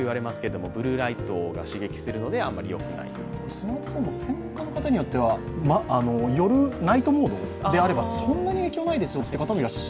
スマートフォンも専門家の方によってはナイトモードであればそんなに影響ないですよと。